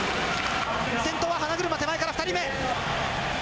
先頭は花車手前から２人目。